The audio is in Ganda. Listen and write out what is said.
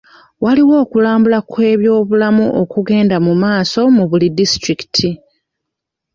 Waliwo okulambula kw'ebyobulamu okugenda mu maaso mu buli disitulikiti.